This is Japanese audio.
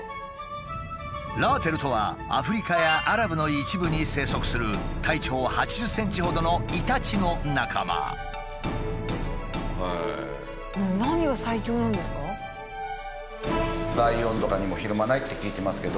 「ラーテル」とはアフリカやアラブの一部に生息する体長８０ｃｍほどのイタチの仲間。って聞いてますけど。